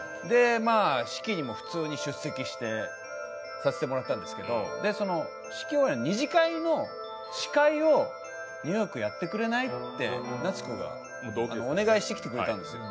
式にも普通に出席させてもらったんですけど、２次会の司会をやってくれないって夏子がお願いしてきてくれたんですよ。